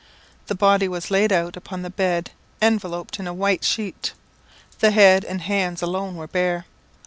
The body was laid out upon the bed enveloped in a white sheet; the head and hands alone were bare.